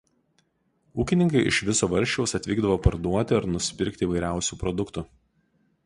Ūkininkai iš viso valsčiaus atvykdavo parduoti ar nusipirkti įvairiausių produktų.